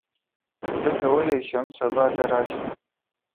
زه کولی شم سبا ته راشم.